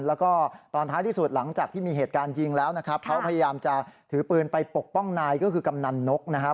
แล้วก็ตอนท้ายที่สุดหลังจากที่มีเหตุการณ์ยิงแล้วนะครับเขาพยายามจะถือปืนไปปกป้องนายก็คือกำนันนกนะครับ